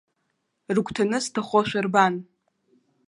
Рыгәҭаны сҭахошәа рбан.